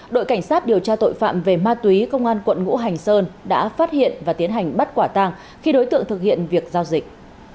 đội cảnh sát điều tra tội phạm về ma túy công an quận ngũ hành sơn đã phát hiện và tiến hành bắt quả tàng khi đối tượng thực hiện việc giao dịch